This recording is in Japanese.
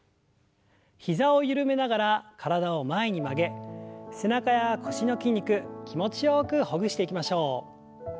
膝を緩めながら体を前に曲げ背中や腰の筋肉気持ちよくほぐしていきましょう。